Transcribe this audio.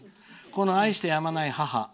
愛してやまない母